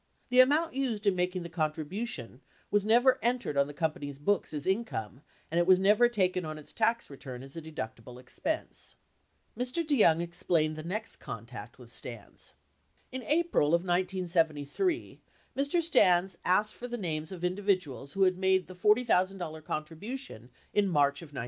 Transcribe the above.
The amount used in making the contribution was never entered on the company's books as income, and it was never taken on its tax return as a deductible expense. 58 Mr. DeYoung explained the next contact with Stans : In April of 1973, Mr. Stans asked for the names of individ uals who had made the $40,000 contribution in March of 1972.